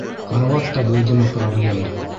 Карауат та булдымы проблема?